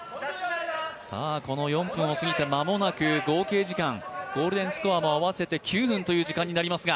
４分を過ぎて間もなく合計時間、ゴールデンスコアも合わせて９分となりますが。